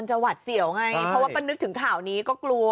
หวัดเสี่ยวไงเพราะว่าก็นึกถึงข่าวนี้ก็กลัว